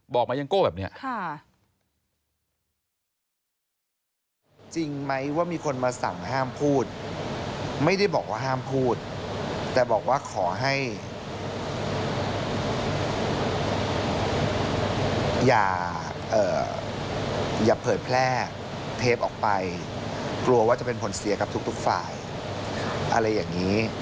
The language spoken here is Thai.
มายังโก้แบบนี้